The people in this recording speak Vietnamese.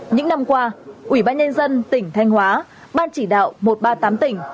những năm qua ủy ban nhân dân tỉnh thanh hóa ban chỉ đạo một trăm ba mươi tám tỉnh